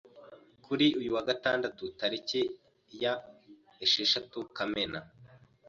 Kuri uyu wa Gatandatu tariki ya esheshatu Kamena